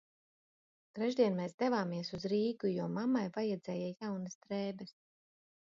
Trešdien mēs devāmies uz Rīgu, jo mammai vajadzēja jaunas drēbes.